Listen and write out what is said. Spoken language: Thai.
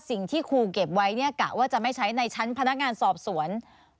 สิ่งที่ครูเก็บไว้เนี่ยกะว่าจะไม่ใช้ในชั้นพนักงานสอบสวน